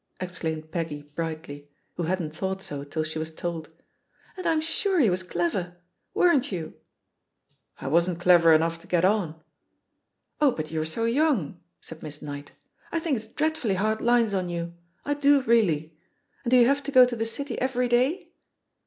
exclaimed Peggy brightly, who hadn't thought so till she was told. "And I'm siu*e he was clever. Weren't you?" 46 jBS THE PQSITION OF PEGGY HARPER I wasn't clever enougH to get on. Oh, but you're so young," said Miss Knight. I think it's dreadfully hard lines on you; I do really. And do you have to go to the City every day?"